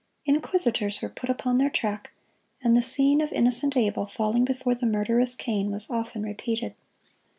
Inquisitors were put upon their track, and the scene of innocent Abel falling before the murderous Cain was often repeated.